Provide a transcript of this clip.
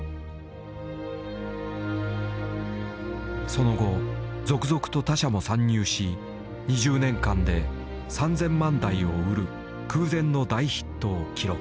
その後続々と他社も参入し２０年間で３，０００万台を売る空前の大ヒットを記録。